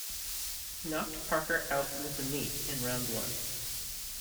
He knocked Parker out with a knee in round one.